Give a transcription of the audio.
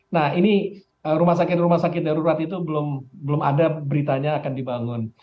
nah ini rumah sakit rumah sakit darurat itu belum ada beritanya akan dibangun